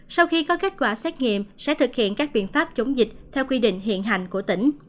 sau khi có kết quả xét nghiệm sẽ thực hiện các biện pháp chống dịch theo quy định hiện hành của tỉnh